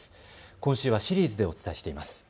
今週はシリーズでお伝えしています。